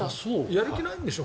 やる気ないんでしょ？